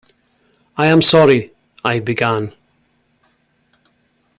"I am sorry —" I began.